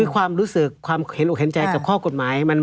ความรู้สึกความเห็นอกเห็นใจกับข้อกฎหมาย